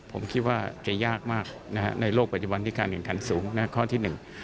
ผมคิดว่าจะยากมากนะฮะในโลกปัจจุบันที่การแข่งขันสูงนะข้อที่หนึ่ง